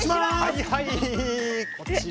はいはいこちら。